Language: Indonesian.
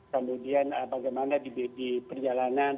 kemudian bagaimana di perjalanan